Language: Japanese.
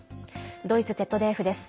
ドイツＺＤＦです。